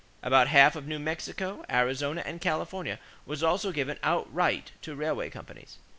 About half of New Mexico, Arizona, and California was also given outright to railway companies.